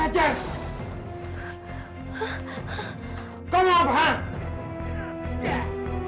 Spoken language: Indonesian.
aku mau balas semua ini sama hana